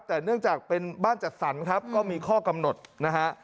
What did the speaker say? แต่เนื่องจากเป็นบ้านจัดสรรครับก็มีข้อกำหนดนะฮะ